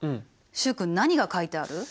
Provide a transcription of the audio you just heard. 習君何が描いてある？